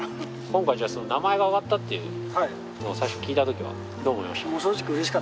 今回じゃあ名前が挙がったっていうのを最初聞いた時はどう思いました？